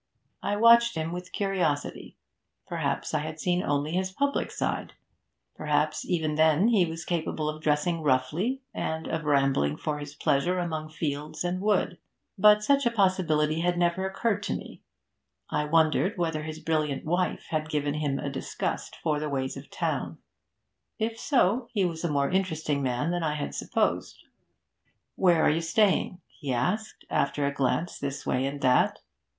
I watched him with curiosity. Perhaps I had seen only his public side; perhaps even then he was capable of dressing roughly, and of rambling for his pleasure among fields and wood. But such a possibility had never occurred to me. I wondered whether his brilliant wife had given him a disgust for the ways of town. If so, he was a more interesting man than I had supposed. 'Where are you staying?' he asked, after a glance this way and that.